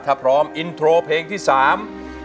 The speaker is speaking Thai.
ถ้าพร้อมอินโทรเพลงที่สาม